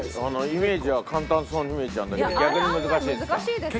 イメージは簡単そうに見えちゃうんだけど逆に難しいですか？